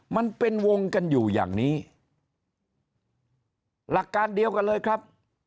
มันเป็นวงกันอยู่อย่างนี้หลักการเดียวกันเลยครับ